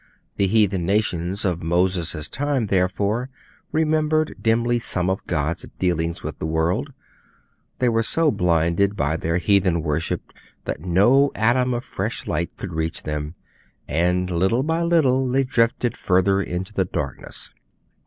The heathen nations of Moses' time therefore remembered dimly some of God's dealings with the world; they were so blinded by their heathen worship, that no atom of fresh light could reach them, and little by little they drifted further into the darkness.